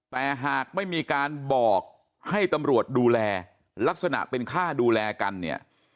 แต่หากไม่มีการบอกให้ตำรวจดูแลลักษณะเป็นค่าดูแลกันเนี่ย